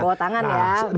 bawa tangan ya